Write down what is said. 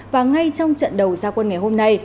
và ngay trong trận đầu gia quân ngày hôm nay